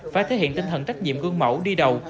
phải thể hiện tinh thần trách nhiệm gương mẫu đi đầu